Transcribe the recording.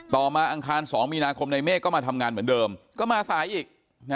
มาอังคาร๒มีนาคมในเมฆก็มาทำงานเหมือนเดิมก็มาสายอีก